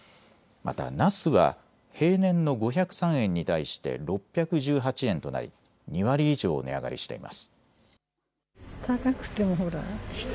また、なすは平年の５０３円に対して６１８円となり２割以上、値上がりしています。